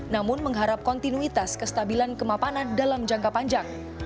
namun mengharap kontinuitas kestabilan kemapanan dalam jangka panjang